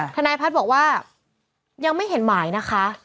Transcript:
ทนายพัฒน์บอกว่ายังไม่เห็นหมายนะคะ